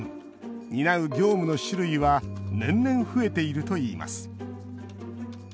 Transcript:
担う業務の種類は年々、増えているといいます。